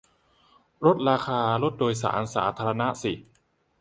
ลดราคารถโดยสารสาธารณะสิ